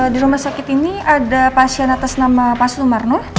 di rumah sakit ini ada pasien atas nama pak sumarno